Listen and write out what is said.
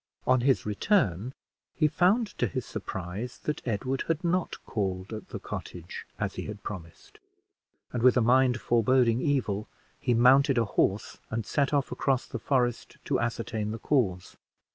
On his return, he found to his surprise that Edward had not called at the cottage as he had promised; and with a mind foreboding evil, he mounted a horse and set off across the forest to ascertain the cause.